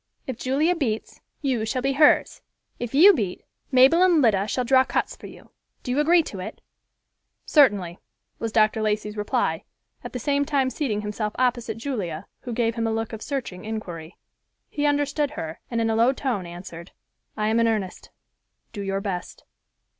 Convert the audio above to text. If Julia beats, you shall be hers; if you beat, Mabel and Lida shall draw cuts for you. Do you agree to it?" "Certainly," was Dr. Lacey's reply, at the same time seating himself opposite Julia, who gave him a look of searching inquiry. He understood her and in a low tone answered, "I am in earnest. Do your best."